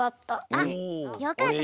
あっよかった。